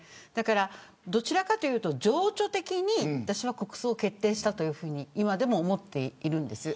どちらかというと情緒的に私は国葬を決定したと今でも思っています。